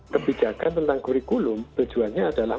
kebijakan tentang kurikulum tujuannya adalah